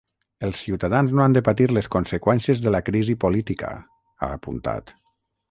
Els ciutadans no han de patir les conseqüències de la crisi política, ha apuntat.